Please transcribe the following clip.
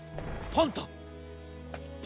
パンタ！